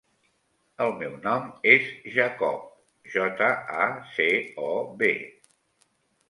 El meu nom és Jacob: jota, a, ce, o, be.